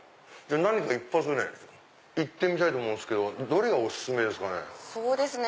何か一発行ってみたいと思うんですけどどれがお薦めですかね？